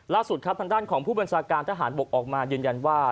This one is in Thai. ครับทางด้านของผู้บัญชาการทหารบกออกมายืนยันว่า